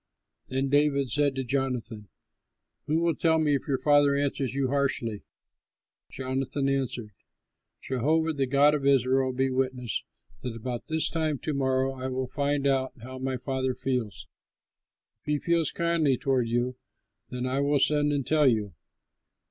Then David said to Jonathan, "Who will tell me if your father answers you harshly?" Jonathan answered, "Jehovah the God of Israel be witness that about this time to morrow I will find out how my father feels. If he feels kindly toward you, then I will send and tell you.